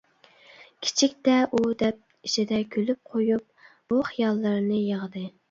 كىچىكتە ئۇ دەپ ئىچىدە كۈلۈپ قۇيۇپ بۇ خىياللىرىنى يىغدى.